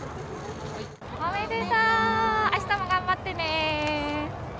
おめでとう、明日も頑張ってね。